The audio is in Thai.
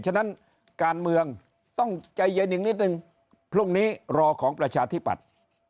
ฉะนั้นการเมืองต้องใจเย็นอีกนิดนึงพรุ่งนี้รอของประชาธิปัตย์